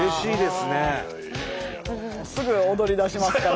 すぐ踊りだしますから。